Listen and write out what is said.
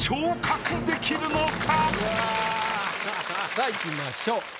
さあいきましょう。